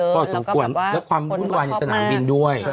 เยอะก็สมควรและความบุญกว่าในสนามวินด้วย